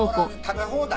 食べ放題！？